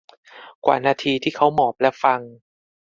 กว่านาทีที่เขาหมอบและฟัง